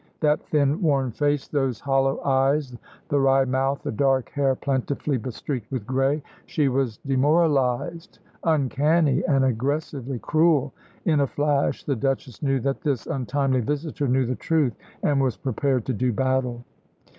That thin worn face, those hollow eyes, the wry mouth, the dark hair plentifully bestreaked with grey she was demoralised, uncanny, and aggressively cruel. In a flash the Duchess knew that this untimely visitor knew the truth, and was prepared to do battle.